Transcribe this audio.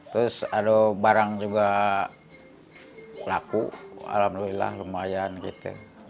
terus ada barang juga laku alhamdulillah lumayan gitu